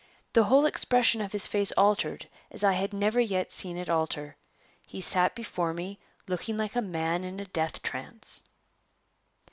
The whole expression of his face altered as I had never yet seen it alter; he sat before me looking like a man in a death trance.